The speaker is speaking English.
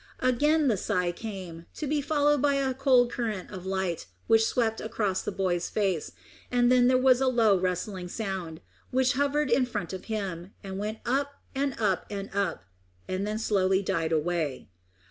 Again the sigh came, to be followed by a cold current of air, which swept across the boy's face, and then there was a low rustling sound, which hovered in front of him, and went up and up and up, and then slowly died away.